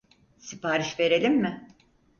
Sipariş verelim mi?